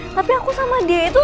tapi aku sama dia itu